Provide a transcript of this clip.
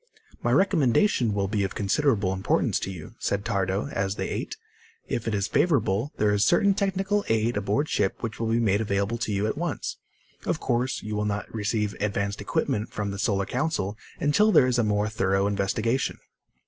"My recommendation will be of considerable importance to you," said Tardo as they ate. "If it is favorable, there is certain technical aid aboard ship which will be made available to you at once. Of course, you will not receive advanced equipment from the Solar Council until there is a more thorough investigation."